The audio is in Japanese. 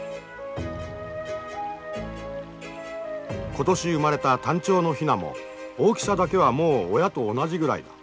今年生まれたタンチョウのヒナも大きさだけはもう親と同じぐらいだ。